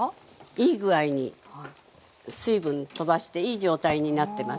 いい具合に水分飛ばしていい状態になってます。